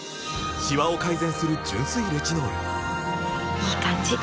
いい感じ！